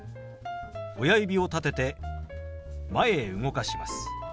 親指を立てて前へ動かします。